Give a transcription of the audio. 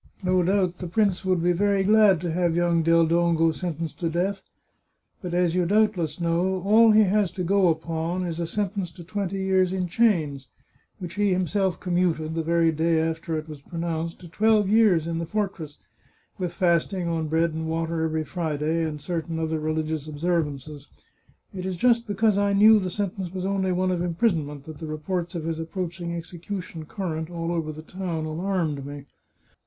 " No doubt the prince would be very glad to have young Del Dongo sentenced to death. But, as you doubtless know, 317 The Chartreuse of Parma all he has to go upon is a sentence to twenty years in chains, which he himself commuted, the very day after it was pro nounced, to twelve years in the fortress, with fasting on bread and water every Friday, and certain other religious observances." " It is just because I knew the sentence was only one of imprisonment that the reports of his approaching execution current all over the town alarmed me.